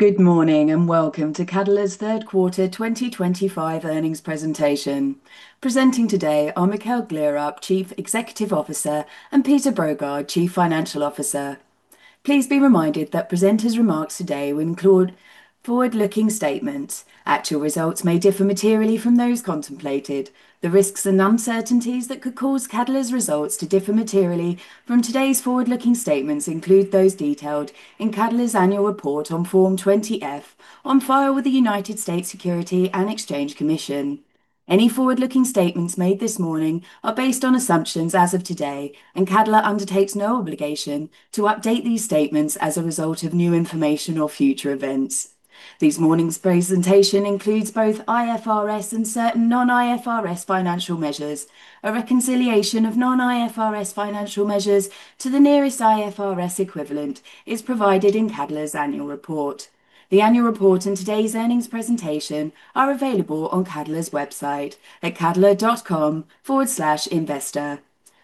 Good morning, and welcome to Cadeler's third quarter 2025 earnings presentation. Presenting today are Mikkel Gleerup, Chief Executive Officer, and Peter Brogaard Hansen, Chief Financial Officer. Please be reminded that presenters' remarks today will include forward-looking statements. Actual results may differ materially from those contemplated. The risks and uncertainties that could cause Cadeler's results to differ materially from today's forward-looking statements include those detailed in Cadeler's annual report on Form 20-F on file with the United States Securities and Exchange Commission. Any forward-looking statements made this morning are based on assumptions as of today, and Cadeler undertakes no obligation to update these statements as a result of new information or future events. This morning's presentation includes both IFRS and certain non-IFRS financial measures. A reconciliation of non-IFRS financial measures to the nearest IFRS equivalent is provided in Cadeler's annual report. The annual report and today's earnings presentation are available on Cadeler's website at cadeler.com/investor.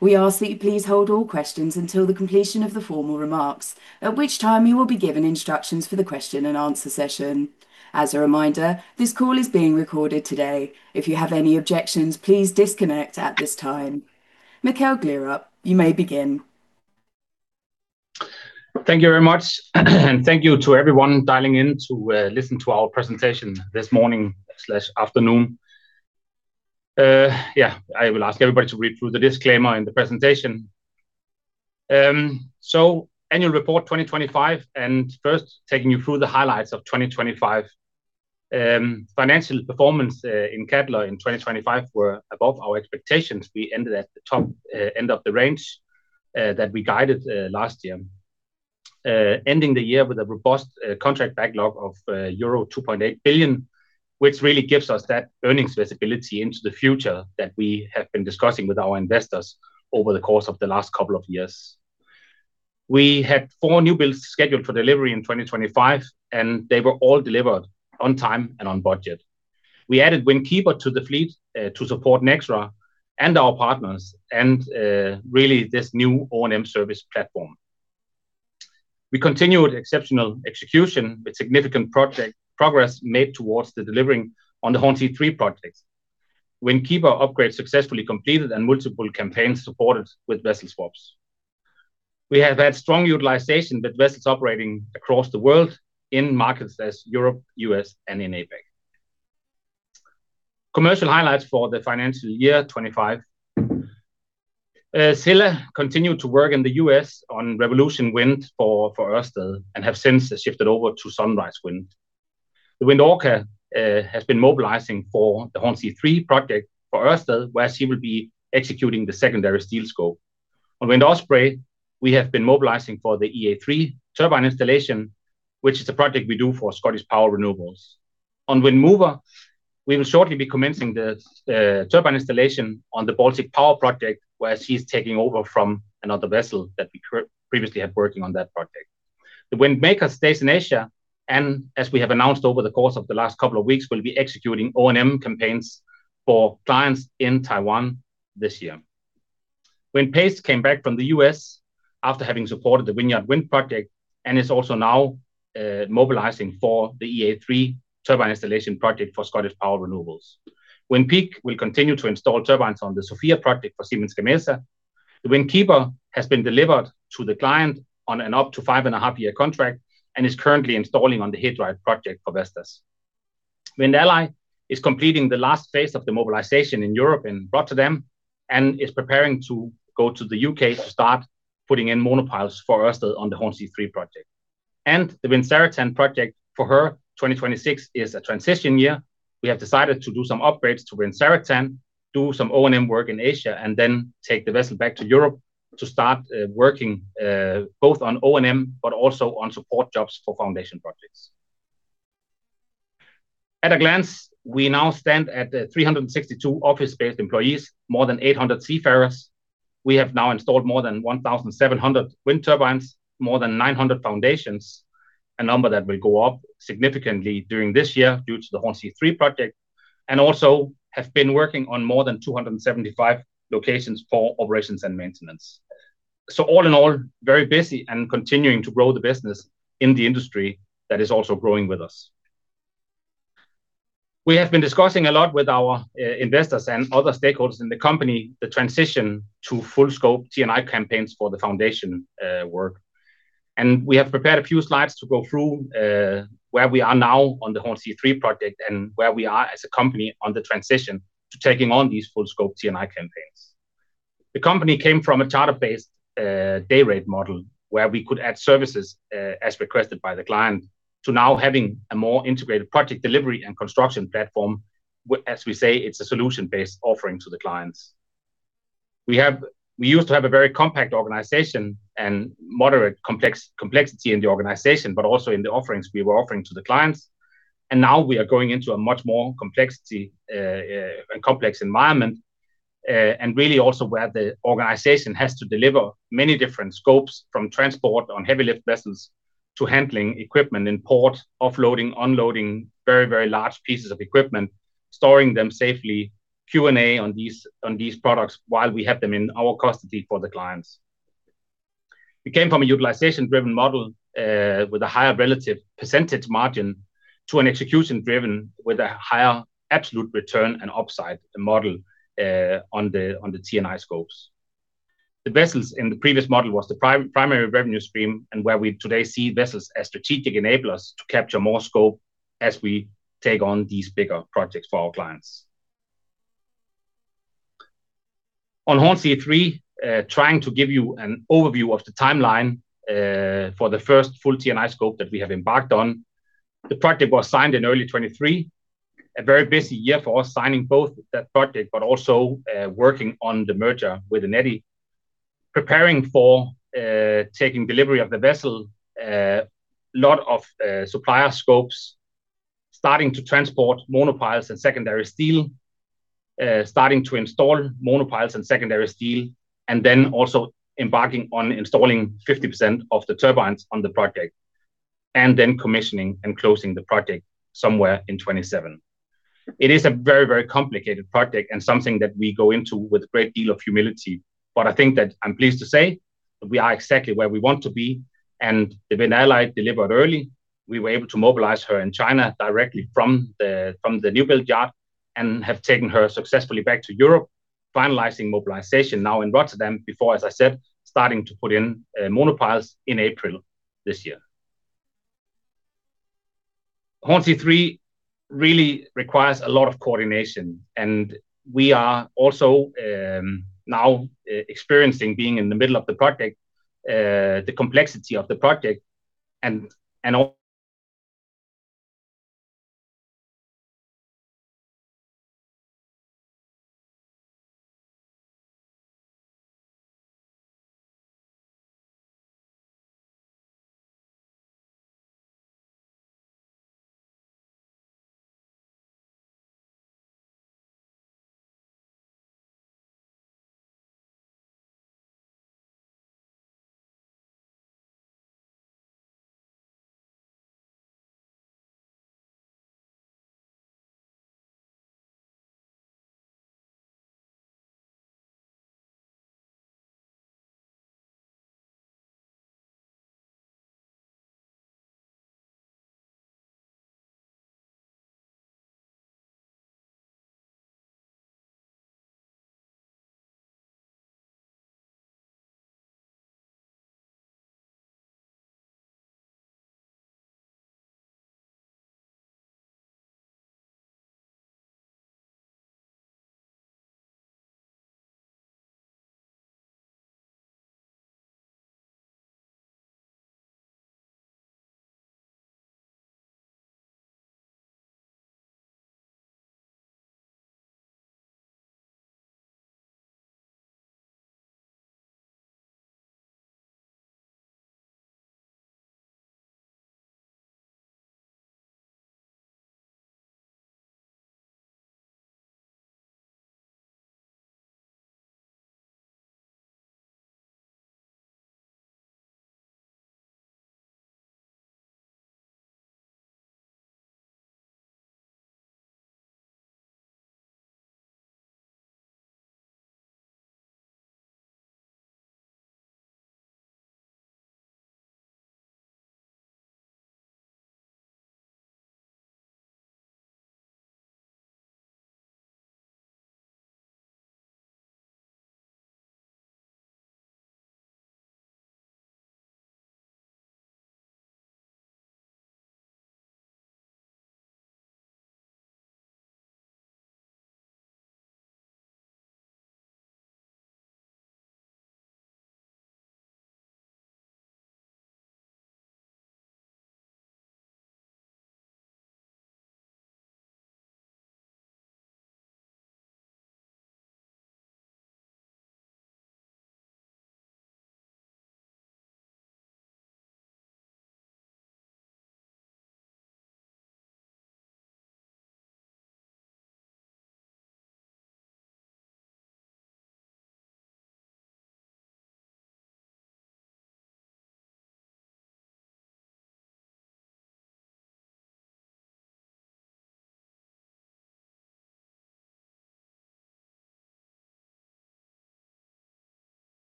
We ask that you please hold all questions until the completion of the formal remarks, at which time you will be given instructions for the question and answer session. As a reminder, this call is being recorded today. If you have any objections, please disconnect at this time. Mikkel Gleerup, you may begin. Thank you very much, and thank you to everyone dialing in to listen to our presentation this morning, this afternoon. I will ask everybody to read through the disclaimer in the presentation. Annual report 2025, and first taking you through the highlights of 2025. Financial performance in Cadeler in 2025 were above our expectations. We ended at the top end of the range that we guided last year, ending the year with a robust contract backlog of euro 2.8 billion, which really gives us that earnings visibility into the future that we have been discussing with our investors over the course of the last couple of years. We had 4 new builds scheduled for delivery in 2025, and they were all delivered on time and on budget. We added Wind Keeper to the fleet, to support Nexra and our partners and really this new O&M service platform. We continued exceptional execution with significant project progress made towards the delivering on the Hornsea 3 project. Wind Keeper upgrade successfully completed and multiple campaigns supported with vessel swaps. We have had strong utilization with vessels operating across the world in markets as Europe, U.S., and in APAC. Commercial highlights for the financial year 2025. Wind Scylla continued to work in the U.S. on Revolution Wind for Ørsted and have since shifted over to Sunrise Wind. The Wind Orca has been mobilizing for the Hornsea 3 project for Ørsted, where she will be executing the secondary steel scope. On Wind Osprey, we have been mobilizing for the EA3 turbine installation, which is a project we do for ScottishPower Renewables. On Wind Mover, we will shortly be commencing the turbine installation on the Baltic Power project, where she's taking over from another vessel that we previously had working on that project. The Wind Maker stays in Asia, and as we have announced over the course of the last couple of weeks, will be executing O&M campaigns for clients in Taiwan this year. Wind Pace came back from the U.S. after having supported the Vineyard Wind project and is also now mobilizing for the EA3 turbine installation project for ScottishPower Renewables. Wind Peak will continue to install turbines on the Sofia project for Siemens Gamesa. The Wind Keeper has been delivered to the client on an up to 5.5-year contract and is currently installing on the He Dreiht project for Vestas. Wind Ally is completing the last phase of the mobilization in Europe in Rotterdam and is preparing to go to the U.K. to start putting in monopiles for us on the Hornsea 3 project. The Wind Zaratan project for her, 2026 is a transition year. We have decided to do some upgrades to Wind Zaratan, do some O&M work in Asia, and then take the vessel back to Europe to start working both on O&M but also on support jobs for foundation projects. At a glance, we now stand at 362 office-based employees, more than 800 seafarers. We have now installed more than 1,700 wind turbines, more than 900 foundations, a number that will go up significantly during this year due to the Hornsea 3 project, and also have been working on more than 275 locations for operations and maintenance. All in all, very busy and continuing to grow the business in the industry that is also growing with us. We have been discussing a lot with our investors and other stakeholders in the company the transition to full scope T&I campaigns for the foundation work. We have prepared a few slides to go through where we are now on the Hornsea 3 project and where we are as a company on the transition to taking on these full scope T&I campaigns. The company came from a charter-based, day rate model where we could add services, as requested by the client to now having a more integrated project delivery and construction platform, as we say, it's a solution-based offering to the clients. We used to have a very compact organization and moderate complexity in the organization, but also in the offerings we were offering to the clients. Now we are going into a much more complex environment, and really also where the organization has to deliver many different scopes from transport on heavy lift vessels to handling equipment in port, offloading, unloading very large pieces of equipment, storing them safely, Q&A on these products while we have them in our custody for the clients. We came from a utilization-driven model with a higher relative percentage margin to an execution-driven with a higher absolute return and upside model on the T&I scopes. The vessels in the previous model was the primary revenue stream and where we today see vessels as strategic enablers to capture more scope as we take on these bigger projects for our clients. On Hornsea 3, trying to give you an overview of the timeline for the first full T&I scope that we have embarked on, the project was signed in early 2023, a very busy year for us signing both that project but also working on the merger with Eneti, preparing for taking delivery of the vessel, a lot of supplier scopes, starting to transport monopiles and secondary steel, starting to install monopiles and secondary steel, and then also embarking on installing 50% of the turbines on the project, and then commissioning and closing the project somewhere in 2027. It is a very, very complicated project and something that we go into with a great deal of humility. I think that I'm pleased to say that we are exactly where we want to be. The Wind Ally delivered early. We were able to mobilize her in China directly from the new build yard and have taken her successfully back to Europe, finalizing mobilization now in Rotterdam before, as I said, starting to put in monopiles in April this year. Hornsea 3 really requires a lot of coordination. We are also now experiencing being in the middle of the project, the complexity of the project and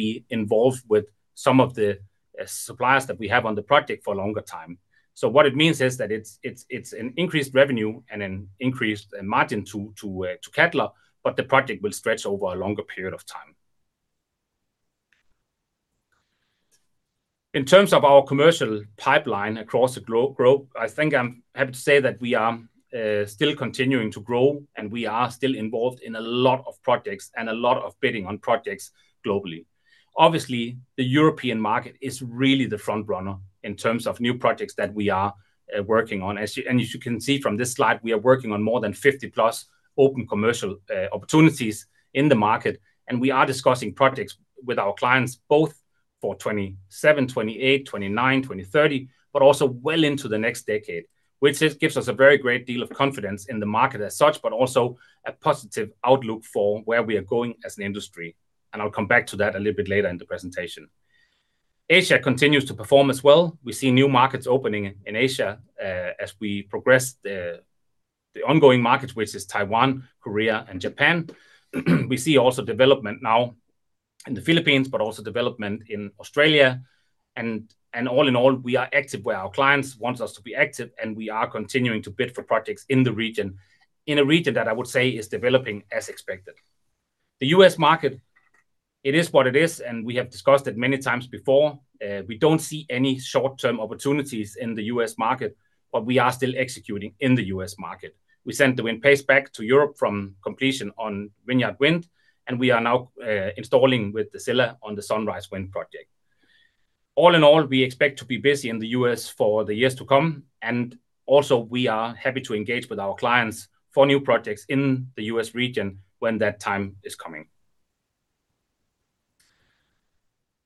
all. Asia continues to perform as well. We see new markets opening in Asia as we progress the ongoing markets, which is Taiwan, Korea, and Japan. We see also development now in the Philippines, but also development in Australia, and all in all, we are active where our clients want us to be active, and we are continuing to bid for projects in the region, in a region that I would say is developing as expected. The U.S. market, it is what it is, and we have discussed it many times before. We don't see any short-term opportunities in the U.S. market, but we are still executing in the U.S. market. We sent the Wind Pace back to Europe from completion on Vineyard Wind, and we are now installing with the Wind Scylla on the Sunrise Wind project. All in all, we expect to be busy in the U.S. for the years to come, and also we are happy to engage with our clients for new projects in the U.S. region when that time is coming.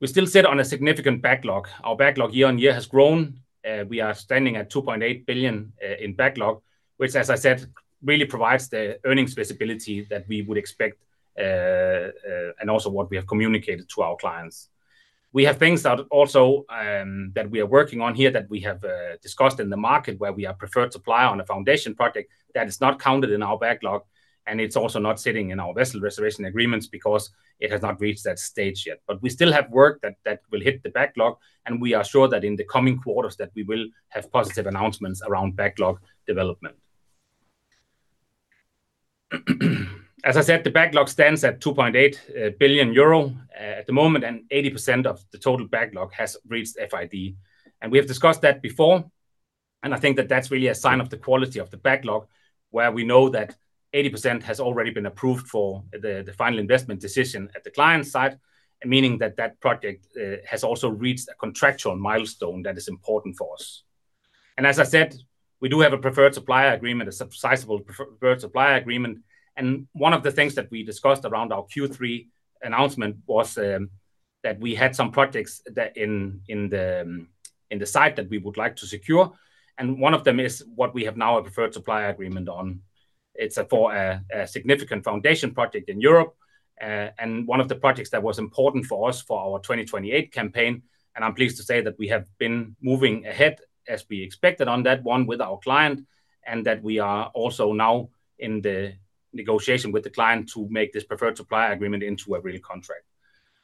We still sit on a significant backlog. Our backlog year-over-year has grown. We are standing at 2.8 billion in backlog, which as I said, really provides the earnings visibility that we would expect, and also what we have communicated to our clients. We have things that also that we are working on here that we have discussed in the market where we are preferred supplier on a foundation project that is not counted in our backlog, and it's also not sitting in our vessel reservation agreements because it has not reached that stage yet. We still have work that will hit the backlog, and we are sure that in the coming quarters that we will have positive announcements around backlog development. As I said, the backlog stands at 2.8 billion euro at the moment, and 80% of the total backlog has reached FID. We have discussed that before, and I think that that's really a sign of the quality of the backlog, where we know that 80% has already been approved for the final investment decision at the client side, meaning that that project has also reached a contractual milestone that is important for us. As I said, we do have a preferred supplier agreement, a sizeable preferred supplier agreement, and one of the things that we discussed around our Q3 announcement was that we had some projects that in the site that we would like to secure, and one of them is what we have now a preferred supplier agreement on. It's for a significant foundation project in Europe, and one of the projects that was important for us for our 2028 campaign, and I'm pleased to say that we have been moving ahead as we expected on that one with our client, and that we are also now in the negotiation with the client to make this preferred supplier agreement into a real contract.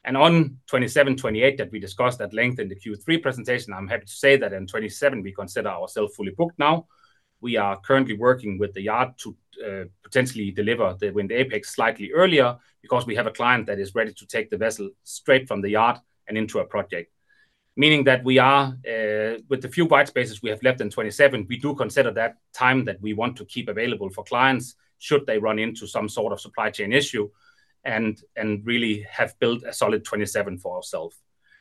On 2027, 2028 that we discussed at length in the Q3 presentation, I'm happy to say that in 2027 we consider ourselves fully booked now. We are currently working with the yard to potentially deliver the Wind Apex slightly earlier because we have a client that is ready to take the vessel straight from the yard and into a project, meaning that we are with the few white spaces we have left in 2027. We do consider that time that we want to keep available for clients should they run into some sort of supply chain issue and really have built a solid 2027 for ourself.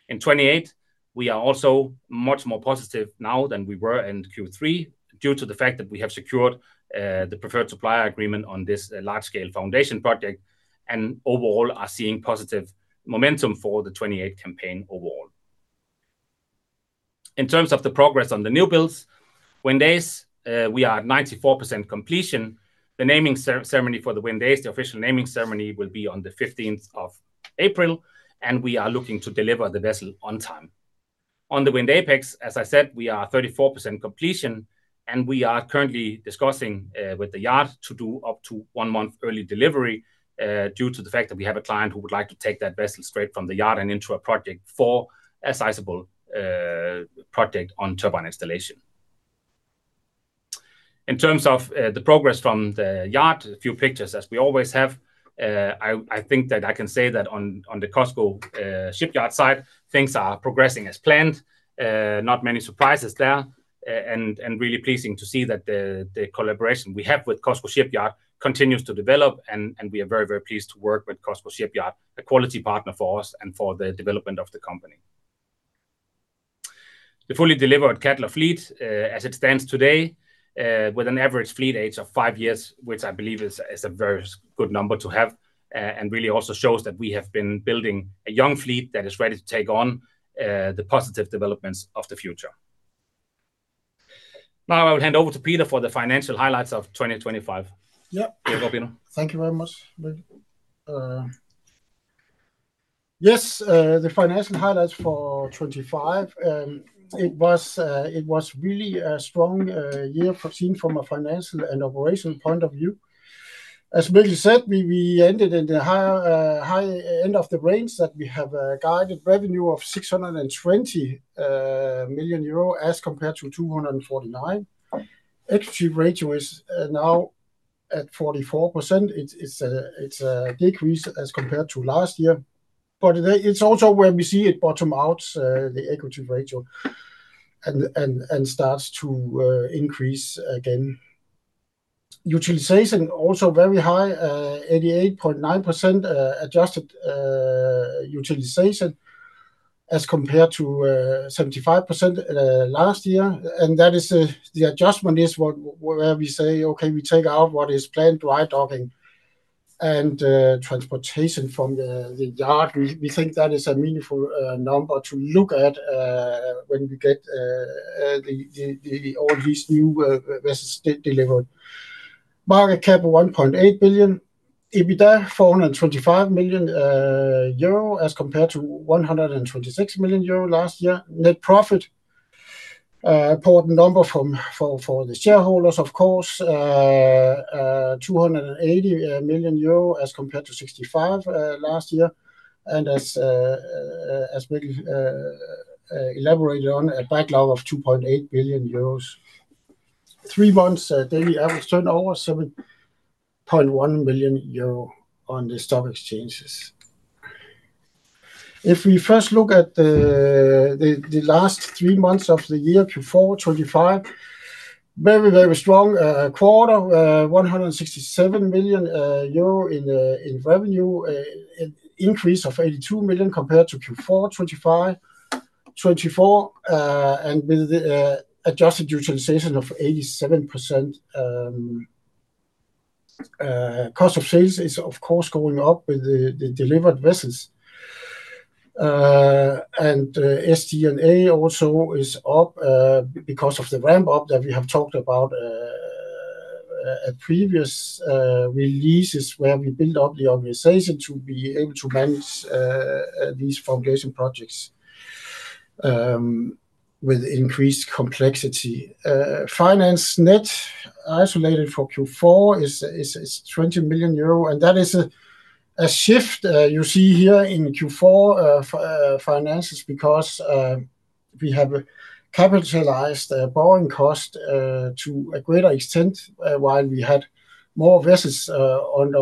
In 2028, we are also much more positive now than we were in Q3 due to the fact that we have secured the preferred supplier agreement on this large-scale foundation project and overall are seeing positive momentum for the 2028 campaign overall. In terms of the progress on the new builds, Wind Ace, we are at 94% completion. The naming ceremony for the Wind Ace, the official naming ceremony, will be on the 15th of April, and we are looking to deliver the vessel on time. On the Wind Apex, as I said, we are at 34% completion, and we are currently discussing with the yard to do up to one month early delivery due to the fact that we have a client who would like to take that vessel straight from the yard and into a project for a sizable project on turbine installation. In terms of the progress from the yard, a few pictures as we always have. I think that I can say that on the COSCO shipyard site, things are progressing as planned. Not many surprises there, and really pleasing to see that the collaboration we have with COSCO SHIPPING Heavy Industry continues to develop, and we are very, very pleased to work with COSCO SHIPPING Heavy Industry, a quality partner for us and for the development of the company. The fully delivered Cadeler fleet, as it stands today, with an average fleet age of five years, which I believe is a very good number to have, and really also shows that we have been building a young fleet that is ready to take on the positive developments of the future. Now I will hand over to Peter for the financial highlights of 2025. Yeah. Here you go, Peter. Thank you very much, Mikkel. Yes, the financial highlights for 2025, it was really a strong year for Cadeler from a financial and operational point of view. As Mikkel said, we ended in the high end of the range that we had guided revenue of 620 million euro as compared to 249 million. Equity ratio is now at 44%. It's a decrease as compared to last year, but it's also where we see it bottom out the equity ratio and starts to increase again. Utilization also very high, 88.9% adjusted utilization as compared to 75% last year. That is the adjustment is where we say, okay, we take out what is planned dry docking and transportation from the yard. We think that is a meaningful number to look at when we get all these new vessels delivered. Market cap 1.8 billion. EBITDA 425 million euro as compared to 126 million euro last year. Net profit, important number for the shareholders, of course, 280 million euro as compared to 65 last year. As Mikkel elaborated on, a backlog of 2.8 billion euros. Three months daily average turnover 7.1 million euro on the stock exchanges. If we first look at the last three months of the year, Q4 2025, very strong quarter. 167 million euro in revenue. An increase of 82 million compared to Q4 2024. With the adjusted utilization of 87%, cost of sales is of course going up with the delivered vessels. SG&A also is up because of the ramp up that we have talked about at previous releases where we build up the organization to be able to manage these foundation projects with increased complexity. Finance net isolated for Q4 is 20 million euro, and that is a shift you see here in Q4 finances because we have capitalized the borrowing cost to a greater extent while we had more vessels on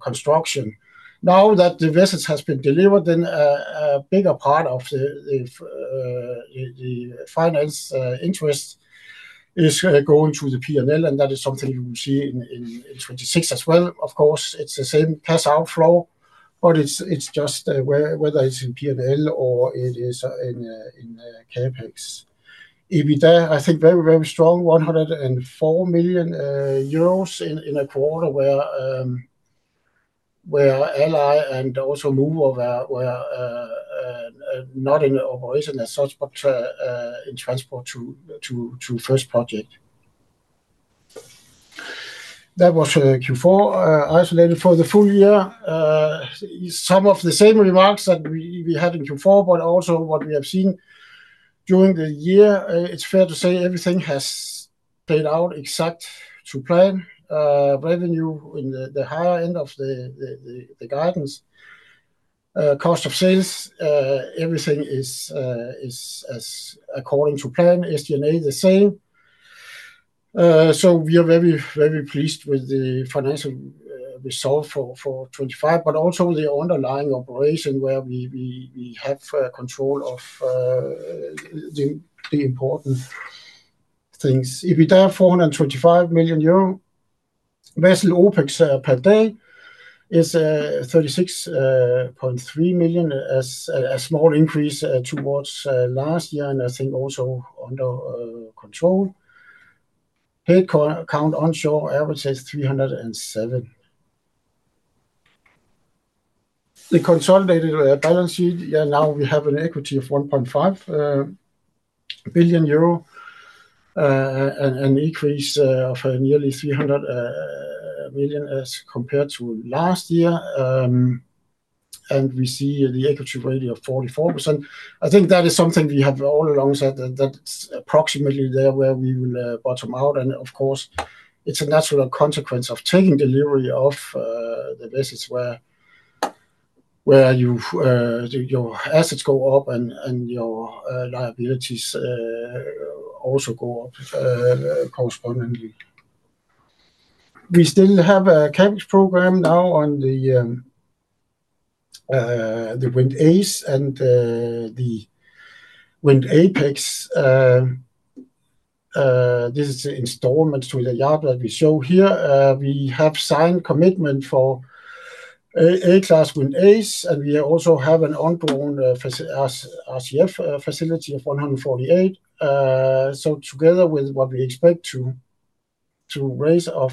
construction. Now that the vessels has been delivered, a bigger part of the finance interest is going to the P&L, and that is something you will see in 2026 as well. Of course, it's the same cash outflow, but it's just whether it's in P&L or it is in CapEx. EBITDA, I think very strong. 104 million euros in a quarter where Wind Ally and also Wind Mover were not in operation as such, but in transport to first project. That was Q4. Isolated for the full year, some of the same remarks that we had in Q4 but also what we have seen during the year, it's fair to say everything has played out exactly to plan. Revenue in the higher end of the guidance. Cost of sales, everything is as according to plan. SG&A, the same. We are very pleased with the financial result for 2025, but also the underlying operation where we have control of the important things. EBITDA, 425 million euro. Vessel OpEx per day is 36.3 million. A small increase towards last year, and I think also under control. Headcount onshore averages 307. The consolidated balance sheet, now we have an equity of 1.5 billion euro. An increase of nearly 300 million as compared to last year. We see the equity ratio of 44%. I think that is something we have all along said that that's approximately there where we will bottom out. Of course, it's a natural consequence of taking delivery of the vessels where your assets go up and your liabilities also go up correspondingly. We still have a CapEx program now on the Wind Ace and the Wind Apex. This is installments to the yard that we show here. We have signed commitment for A-class Wind Ace. We also have an ongoing RCF facility of 148. Together with what we expect to raise of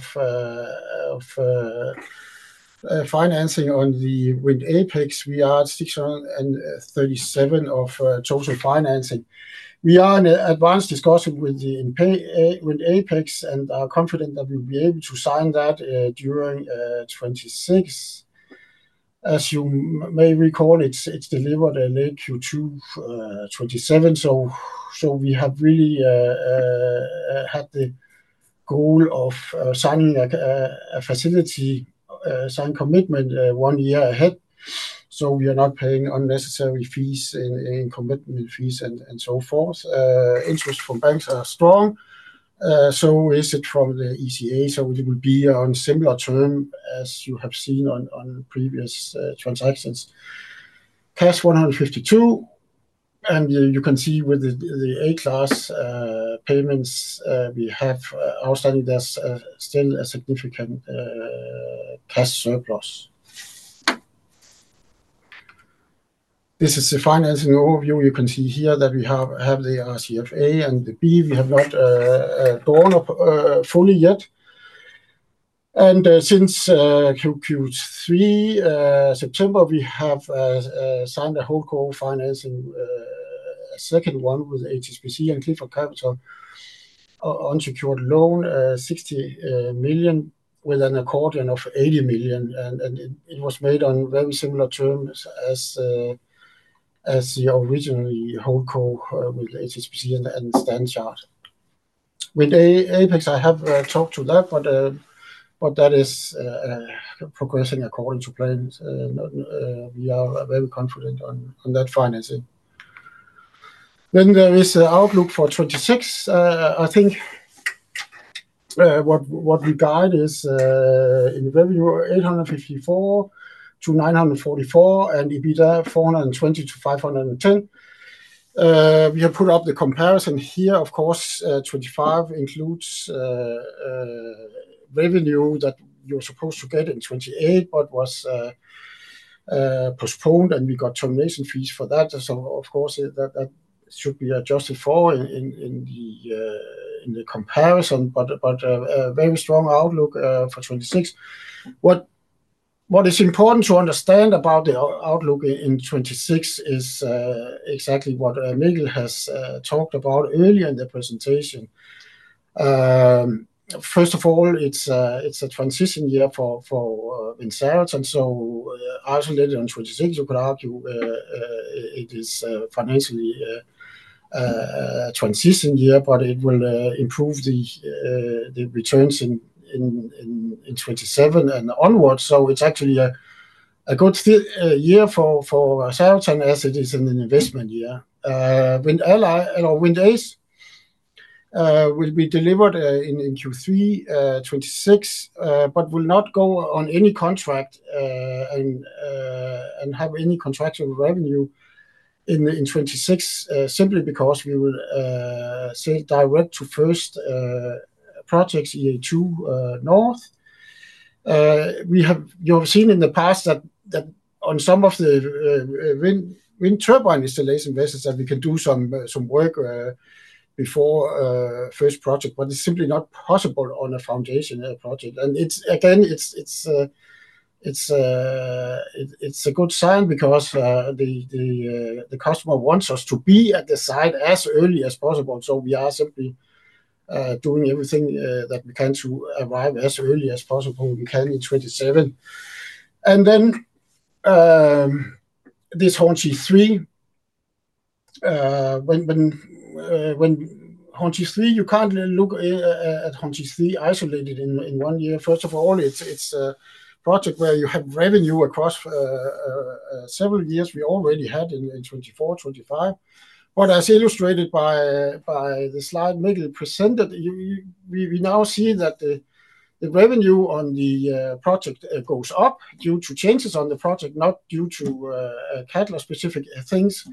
financing on the Wind Apex, we are at 637 of total financing. We are in advanced discussion with Apex and are confident that we'll be able to sign that during 2026. As you may recall, it's delivered in late Q2 2027, so we have really had the goal of signing a facility commitment one year ahead, so we are not paying unnecessary fees and commitment fees and so forth. Interest from banks is strong, so is interest from the ECA, so it will be on similar terms as you have seen on previous transactions. Cash 152. You can see with the A-class payments we have outstanding, there's still a significant cash surplus. This is the financing overview. You can see here that we have the RCF A and the B. We have not drawn down fully yet. Since Q3 September, we have signed a Holdco financing, second one with HSBC and Clifford Capital, unsecured loan 60 million with an accordion of 80 million. It was made on very similar terms as the original Holdco with HSBC and Standard Chartered. With Apex, I have talked to that, but that is progressing according to plans. We are very confident on that financing. There is the outlook for 2026. I think what we guide is in revenue 854-944 and EBITDA 420-510. We have put up the comparison here. Of course, 2025 includes revenue that you're supposed to get in 2028 but was postponed, and we got termination fees for that. Of course, that should be adjusted for in the comparison. A very strong outlook for 2026. What is important to understand about the outlook in 2026 is exactly what Mikkel has talked about earlier in the presentation. First of all, it's a transition year for the fleet. Isolated on 2026, you could argue it is financially a transition year, but it will improve the returns in 2027 and onwards. It's actually a good year for the fleet and assets and an investment year. Wind Ally or Wind Ace will be delivered in Q3 2026, but will not go on any contract and have any contractual revenue in 2026, simply because we will sell direct to first projects year two north. You have seen in the past that on some of the wind turbine installation vessels that we can do some work before first project, but it's simply not possible on a foundation project. It's again a good sign because the customer wants us to be at the site as early as possible. We are simply doing everything that we can to arrive as early as possible we can in 2027. This Hornsea 3, when Hornsea 3, you can't look at Hornsea 3 isolated in one year. First of all, it's a project where you have revenue across several years. We already had in 2024, 2025. As illustrated by the slide Mikkel presented, we now see that the revenue on the project goes up due to changes on the project, not due to Cadeler-specific things,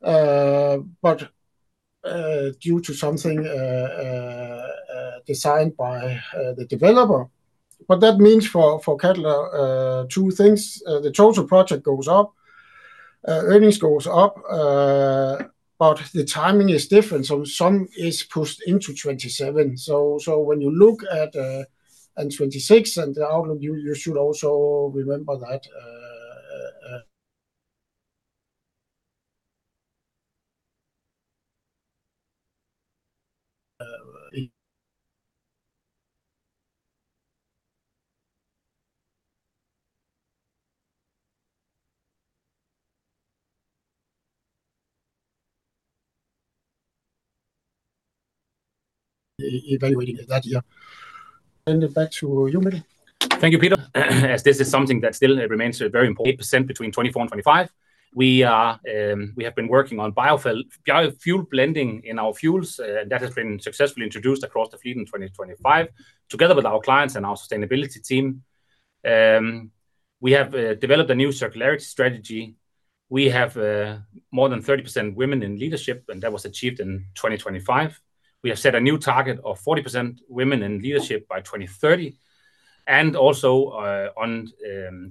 but due to something designed by the developer. That means for Cadeler two things. The total project goes up, earnings goes up, but the timing is different. Some is pushed into 2027. When you look at 26 and the outlook, you should also remember that evaluating that year. Back to you, Mikkel. Thank you, Peter. As this is something that still remains very important, between 2024 and 2025, we have been working on biofuel blending in our fuels, that has been successfully introduced across the fleet in 2025. Together with our clients and our sustainability team, we have developed a new circularity strategy. We have more than 30% women in leadership, and that was achieved in 2025. We have set a new target of 40% women in leadership by 2030. Also, on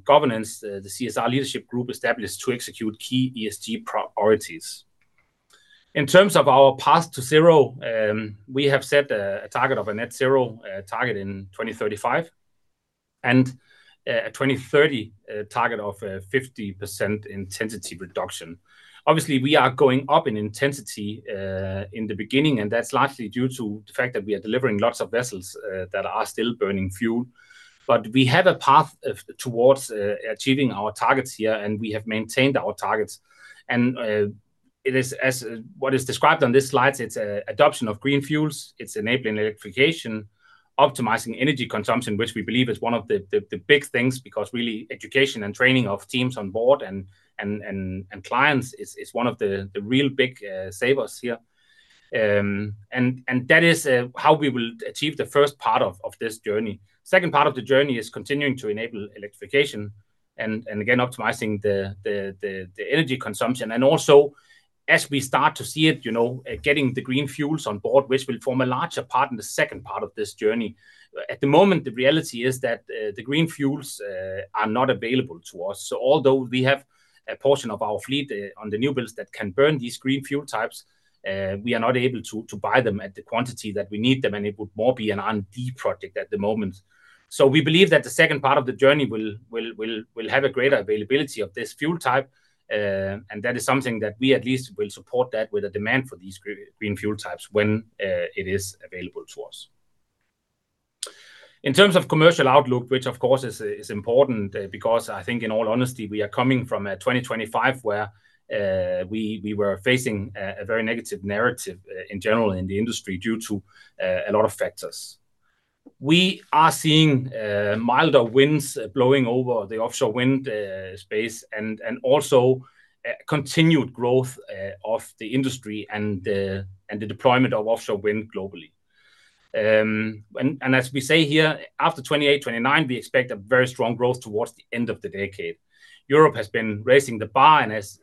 governance, the CSR leadership group established to execute key ESG priorities. In terms of our path to zero, we have set a target of a net zero target in 2035 and a 2030 target of a 50% intensity reduction. Obviously, we are going up in intensity in the beginning, and that's largely due to the fact that we are delivering lots of vessels that are still burning fuel. We have a path towards achieving our targets here, and we have maintained our targets. It is as what is described on this slide, it's adoption of green fuels, it's enabling electrification, optimizing energy consumption, which we believe is one of the big things because really education and training of teams on board and clients is one of the real big savers here. That is how we will achieve the first part of this journey. Second part of the journey is continuing to enable electrification and again, optimizing the energy consumption. As we start to see it, you know, getting the green fuels on board, which will form a larger part in the second part of this journey. At the moment, the reality is that the green fuels are not available to us. Although we have a portion of our fleet on the new builds that can burn these green fuel types, we are not able to buy them at the quantity that we need them, and it would more be an R&D project at the moment. We believe that the second part of the journey will have a greater availability of this fuel type, and that is something that we at least will support that with a demand for these green fuel types when it is available to us. In terms of commercial outlook, which of course is important, because I think in all honesty, we are coming from 2025 where we were facing a very negative narrative in general in the industry due to a lot of factors. We are seeing milder winds blowing over the offshore wind space and also continued growth of the industry and the deployment of offshore wind globally. As we say here, after 2028, 2029, we expect a very strong growth towards the end of the decade. Europe has been raising the bar and has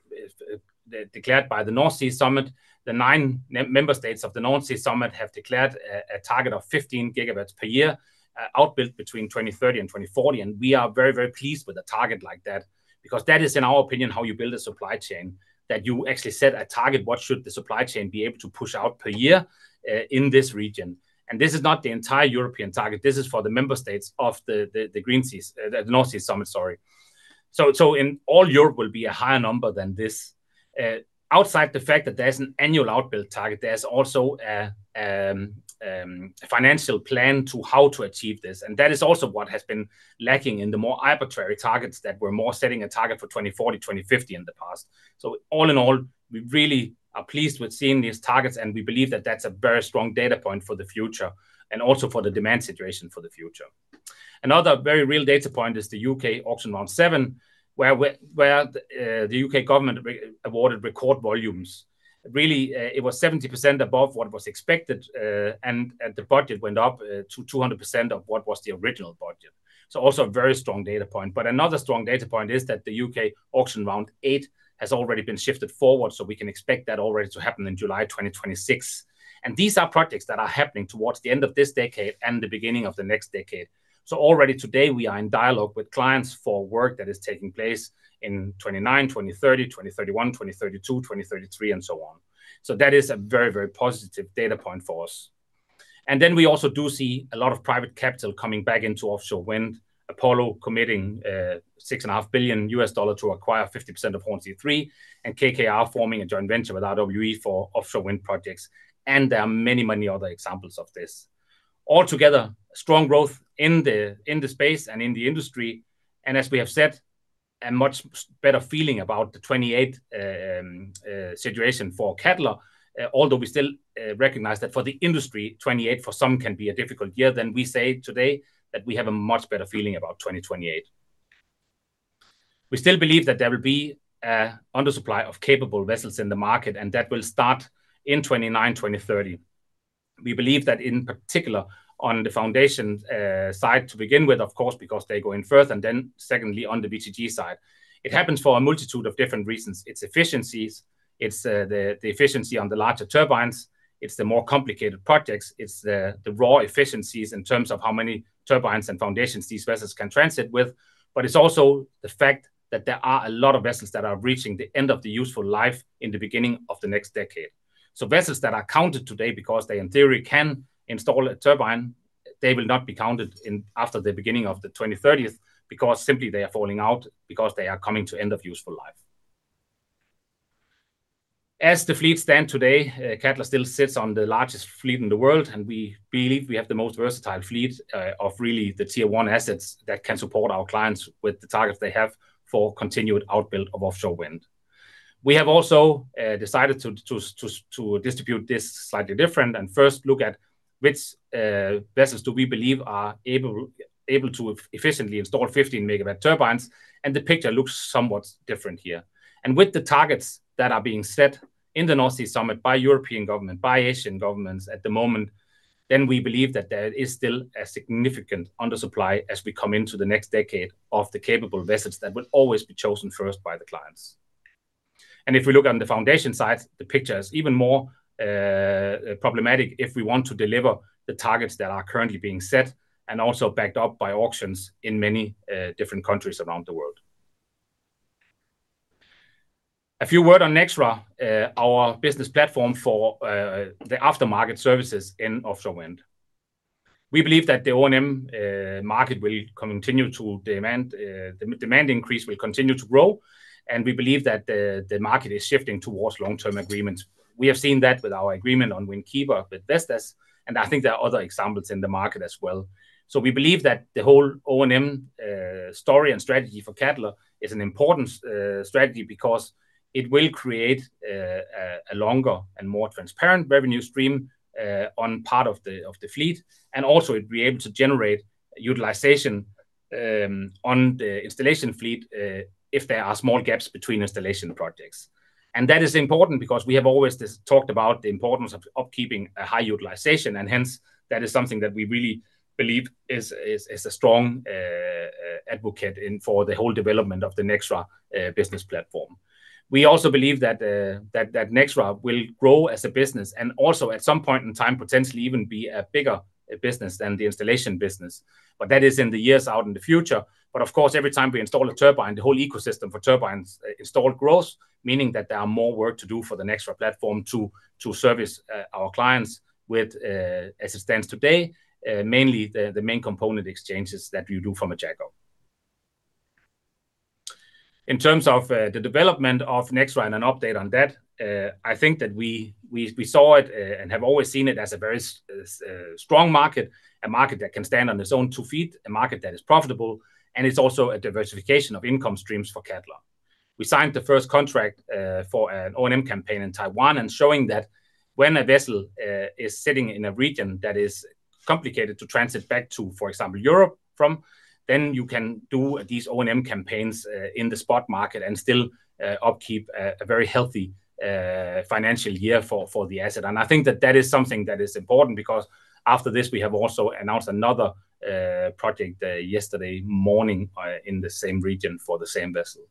declared by the North Sea Summit, the 9 member states of the North Sea Summit have declared a target of 15 GW per year outbuilt between 2030 and 2040. We are very pleased with a target like that, because that is, in our opinion, how you build a supply chain, that you actually set a target, what should the supply chain be able to push out per year in this region. This is not the entire European target, this is for the member states of the North Sea Summit. In all Europe will be a higher number than this. Outside the fact that there's an annual outbuild target, there's also a financial plan to how to achieve this. That is also what has been lacking in the more arbitrary targets that were more setting a target for 2040, 2050 in the past. All in all, we really are pleased with seeing these targets, and we believe that that's a very strong data point for the future and also for the demand situation for the future. Another very real data point is the U.K. Allocation Round 7, where the U.K. government re-awarded record volumes. Really, it was 70% above what was expected, and the budget went up to 200% of what was the original budget. Also a very strong data point. Another strong data point is that the UK Allocation Round 8 has already been shifted forward, so we can expect that already to happen in July 2026. These are projects that are happening towards the end of this decade and the beginning of the next decade. Already today, we are in dialogue with clients for work that is taking place in 2029, 2030, 2031, 2032, 2033, and so on. That is a very, very positive data point for us. We also do see a lot of private capital coming back into offshore wind. Apollo committing $6.5 billion to acquire 50% of Hornsea 3, and KKR forming a joint venture with RWE for offshore wind projects. There are many, many other examples of this. All together, strong growth in the space and in the industry. As we have said, a much better feeling about the 2028 situation for Cadeler. Although we still recognize that for the industry, 2028 for some can be a difficult year. We say today that we have a much better feeling about 2028. We still believe that there will be an undersupply of capable vessels in the market, and that will start in 2029, 2030. We believe that in particular on the foundation side to begin with, of course, because they go in first and then secondly on the WTG side. It happens for a multitude of different reasons. It's efficiencies, it's the efficiency on the larger turbines, it's the more complicated projects, it's the raw efficiencies in terms of how many turbines and foundations these vessels can transit with. It's also the fact that there are a lot of vessels that are reaching the end of the useful life in the beginning of the next decade. Vessels that are counted today because they in theory can install a turbine, they will not be counted in after the beginning of the 2030s because simply they are falling out, because they are coming to end of useful life. As the fleet stand today, Cadeler still sits on the largest fleet in the world, and we believe we have the most versatile fleet of really the tier one assets that can support our clients with the targets they have for continued outbuild of offshore wind. We have also decided to distribute this slightly different and first look at which vessels do we believe are able to efficiently install 15 MW turbines, and the picture looks somewhat different here. With the targets that are being set in the North Sea Summit by European government, by Asian governments at the moment, then we believe that there is still a significant undersupply as we come into the next decade of the capable vessels that will always be chosen first by the clients. If we look on the foundation side, the picture is even more problematic if we want to deliver the targets that are currently being set and also backed up by auctions in many different countries around the world. A few words on Nexra, our business platform for the aftermarket services in offshore wind. We believe that the O&M market will continue to demand increase will continue to grow, and we believe that the market is shifting towards long-term agreements. We have seen that with our agreement on Wind Keeper with Vestas, and I think there are other examples in the market as well. We believe that the whole O&M story and strategy for Cadeler is an important strategy because it will create a longer and more transparent revenue stream on part of the fleet, and also it'll be able to generate utilization on the installation fleet if there are small gaps between installation projects. That is important because we have always just talked about the importance of upkeeping a high utilization, and hence that is something that we really believe is a strong advocate for the whole development of the Nexra business platform. We also believe that Nexra will grow as a business and also at some point in time, potentially even be a bigger business than the installation business. That is in the years out in the future. Of course, every time we install a turbine, the whole ecosystem for turbines installed grows, meaning that there are more work to do for the Nexra platform to service our clients with, as it stands today, mainly the main component exchanges that we do from a jack-up. In terms of the development of Nexra and an update on that, I think that we saw it and have always seen it as a very strong market, a market that can stand on its own two feet, a market that is profitable, and it's also a diversification of income streams for Cadeler. We signed the first contract for an O&M campaign in Taiwan, and showing that when a vessel is sitting in a region that is complicated to transit back to, for example, Europe from, then you can do these O&M campaigns in the spot market and still upkeep a very healthy financial year for the asset. I think that is something that is important because after this, we have also announced another project yesterday morning in the same region for the same vessel.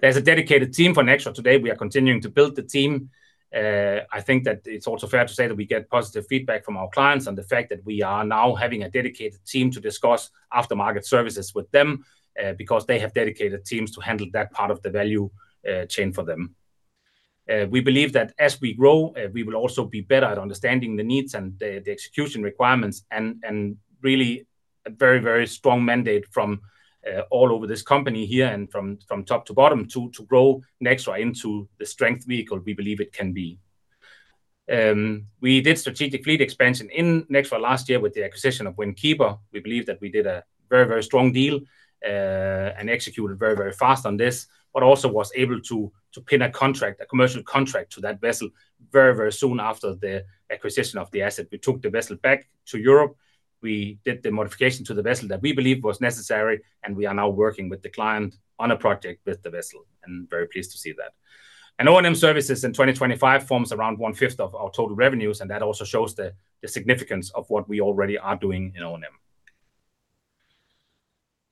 There's a dedicated team for Nexra today. We are continuing to build the team. I think that it's also fair to say that we get positive feedback from our clients on the fact that we are now having a dedicated team to discuss aftermarket services with them, because they have dedicated teams to handle that part of the value chain for them. We believe that as we grow, we will also be better at understanding the needs and the execution requirements and really a very strong mandate from all over this company here and from top to bottom to grow Nexra into the strength vehicle we believe it can be. We did strategic fleet expansion in Nexra last year with the acquisition of Wind Keeper. We believe that we did a very, very strong deal, and executed very, very fast on this, but also was able to pin a contract, a commercial contract to that vessel very, very soon after the acquisition of the asset. We took the vessel back to Europe. We did the modification to the vessel that we believe was necessary, and we are now working with the client on a project with the vessel, and we are very pleased to see that. O&M services in 2025 forms around one-fifth of our total revenues, and that also shows the significance of what we already are doing in O&M.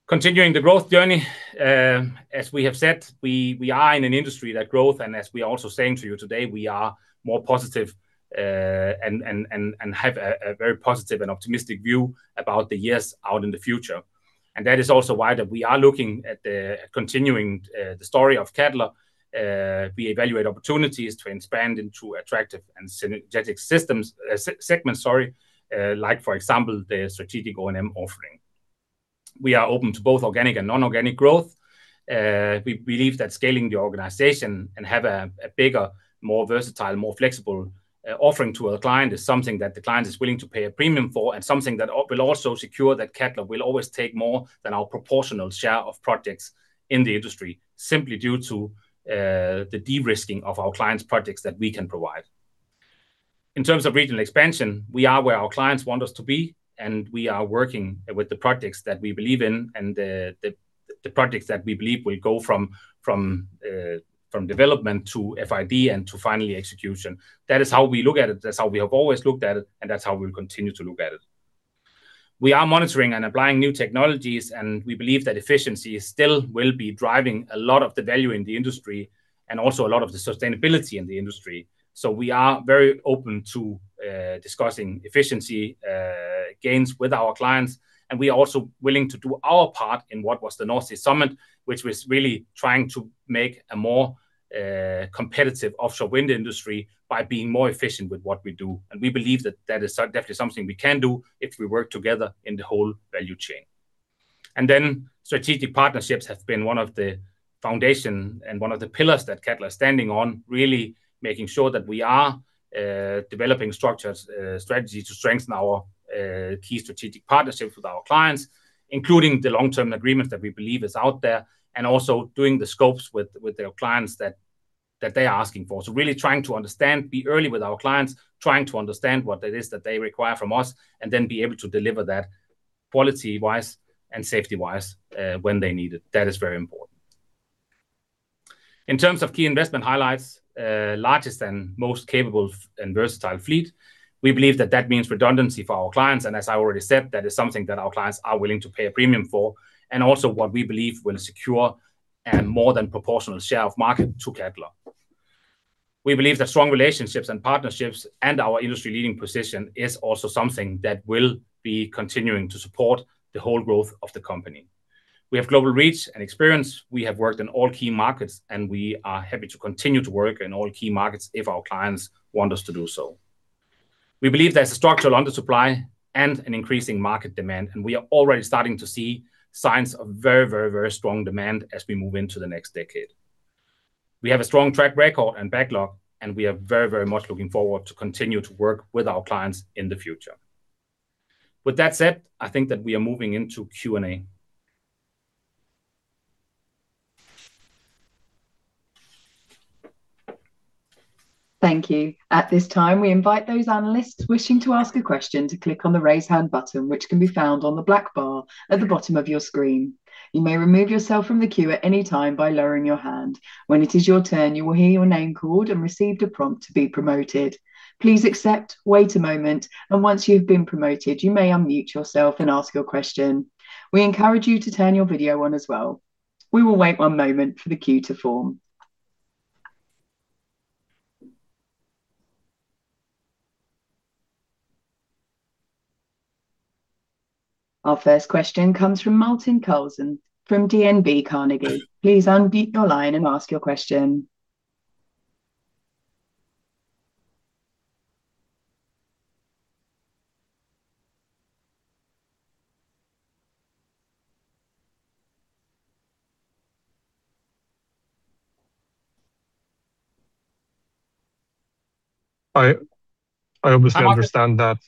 Continuing the growth journey, as we have said, we are in an industry that grows, and as we are also saying to you today, we are more positive and have a very positive and optimistic view about the years out in the future. That is also why we are looking at continuing the story of Cadeler. We evaluate opportunities to expand into attractive and synergetic segments, like, for example, the strategic O&M offering. We are open to both organic and non-organic growth. We believe that scaling the organization and have a bigger, more versatile, more flexible offering to a client is something that the client is willing to pay a premium for, and something that will also secure that Cadeler will always take more than our proportional share of projects in the industry, simply due to the de-risking of our clients' projects that we can provide. In terms of regional expansion, we are where our clients want us to be, and we are working with the projects that we believe in and the projects that we believe will go from development to FID and to finally execution. That is how we look at it. That's how we have always looked at it, and that's how we'll continue to look at it. We are monitoring and applying new technologies, and we believe that efficiency still will be driving a lot of the value in the industry and also a lot of the sustainability in the industry. We are very open to discussing efficiency gains with our clients, and we are also willing to do our part in what was the North Sea Summit, which was really trying to make a more competitive offshore wind industry by being more efficient with what we do. We believe that that is definitely something we can do if we work together in the whole value chain. Strategic partnerships have been one of the foundation and one of the pillars that Cadeler is standing on, really making sure that we are developing structures, strategy to strengthen our key strategic partnerships with our clients, including the long-term agreements that we believe is out there, and also doing the scopes with their clients that they are asking for. Really trying to understand, be early with our clients, trying to understand what it is that they require from us, and then be able to deliver that quality-wise and safety-wise when they need it. That is very important. In terms of key investment highlights, largest and most capable and versatile fleet. We believe that means redundancy for our clients, and as I already said, that is something that our clients are willing to pay a premium for, and also what we believe will secure a more than proportional share of market to Cadeler. We believe that strong relationships and partnerships and our industry-leading position is also something that will be continuing to support the whole growth of the company. We have global reach and experience. We have worked in all key markets, and we are happy to continue to work in all key markets if our clients want us to do so. We believe there's a structural undersupply and an increasing market demand, and we are already starting to see signs of very strong demand as we move into the next decade. We have a strong track record and backlog, and we are very, very much looking forward to continue to work with our clients in the future. With that said, I think that we are moving into Q&A. Thank you. At this time, we invite those analysts wishing to ask a question to click on the Raise Hand button, which can be found on the black bar at the bottom of your screen. You may remove yourself from the queue at any time by lowering your hand. When it is your turn, you will hear your name called and receive a prompt to unmute. Please accept, wait a moment, and once you've been unmuted, you may unmute yourself and ask your question. We encourage you to turn your video on as well. We will wait one moment for the queue to form. Our first question comes from Martin Huseby Karlsen from DNB Carnegie. Please unmute your line and ask your question. I obviously understand that.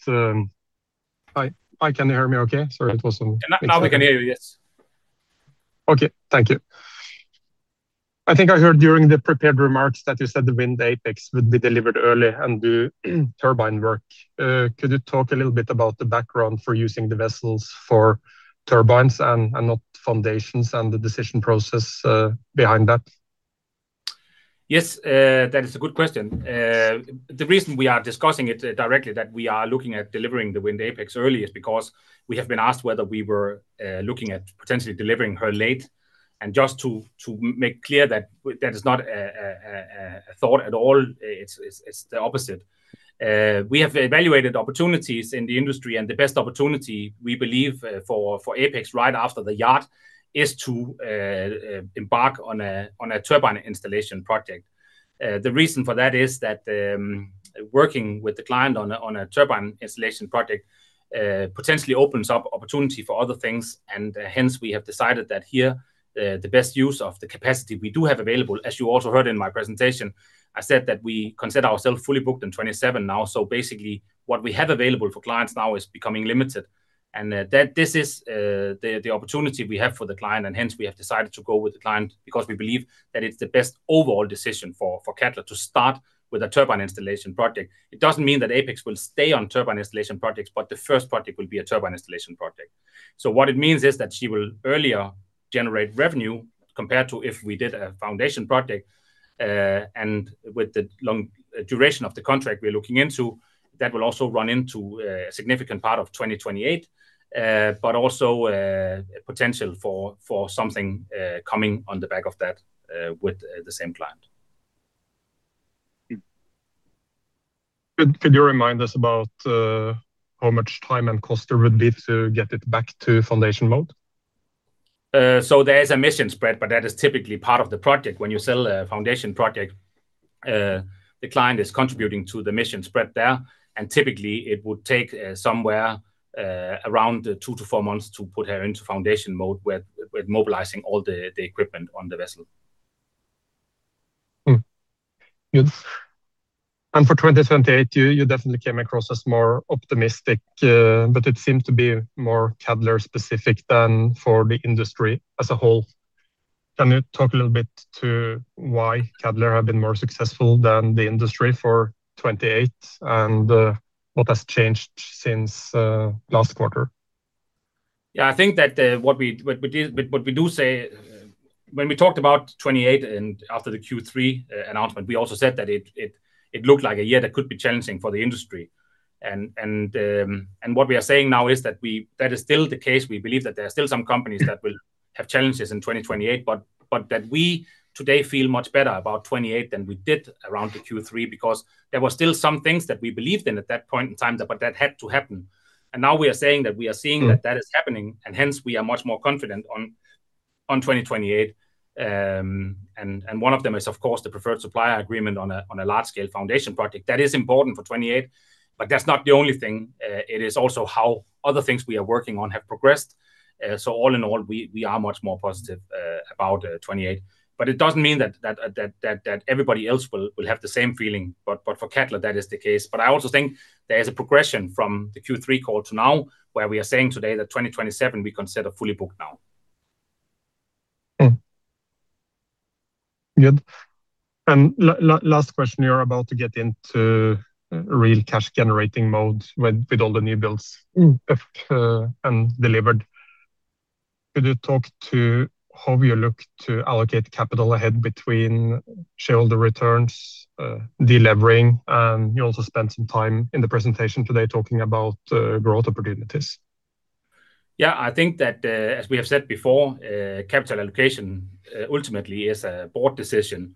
Hi, can you hear me okay? Sorry, it was some- Now we can hear you, yes. Okay. Thank you. I think I heard during the prepared remarks that you said the Wind Apex would be delivered early and do turbine work. Could you talk a little bit about the background for using the vessels for turbines and not foundations and the decision process behind that? Yes, that is a good question. The reason we are discussing it directly that we are looking at delivering the Wind Apex early is because we have been asked whether we were looking at potentially delivering her late. Just to make clear that that is not a thought at all. It's the opposite. We have evaluated opportunities in the industry, and the best opportunity we believe for Apex right after the yacht is to embark on a turbine installation project. The reason for that is that working with the client on a turbine installation project potentially opens up opportunity for other things, and hence we have decided that here the best use of the capacity we do have available, as you also heard in my presentation. I said that we consider ourselves fully booked in 2027 now. Basically, what we have available for clients now is becoming limited. That this is the opportunity we have for the client, and hence we have decided to go with the client because we believe that it's the best overall decision for Cadeler to start with a turbine installation project. It doesn't mean that Apex will stay on turbine installation projects, but the first project will be a turbine installation project. What it means is that she will earlier generate revenue compared to if we did a foundation project. With the long duration of the contract we're looking into, that will also run into a significant part of 2028, but also a potential for something coming on the back of that with the same client. Could you remind us about how much time and cost there would be to get it back to foundation mode? There's a mobilization spread, but that is typically part of the project. When you sell a foundation project, the client is contributing to the mobilization spread there, and typically it would take somewhere around 2-4 months to put her into foundation mode with mobilizing all the equipment on the vessel. Good. For 2028, you definitely came across as more optimistic, but it seemed to be more Cadeler-specific than for the industry as a whole. Can you talk a little bit to why Cadeler have been more successful than the industry for 2028 and what has changed since last quarter? Yeah, I think that what we do say when we talked about 2028 and after the Q3 announcement, we also said that it looked like a year that could be challenging for the industry. What we are saying now is that that is still the case. We believe that there are still some companies that will have challenges in 2028, but that we today feel much better about 2028 than we did around the Q3 because there were still some things that we believed in at that point in time but that had to happen. Now we are saying that we are seeing that that is happening and hence we are much more confident on 2028. One of them is of course the preferred supplier agreement on a large scale foundation project. That is important for 2028, but that's not the only thing. It is also how other things we are working on have progressed. All in all, we are much more positive about 2028. But it doesn't mean that everybody else will have the same feeling. But for Cadeler that is the case. I also think there is a progression from the Q3 call to now where we are saying today that 2027 we consider fully booked now. Good. Last question, you're about to get into real cash generating mode with all the new builds and delivered. Could you talk to how you look to allocate capital ahead between shareholder returns, delevering, and you also spent some time in the presentation today talking about growth opportunities. Yeah. I think that, as we have said before, capital allocation ultimately is a board decision.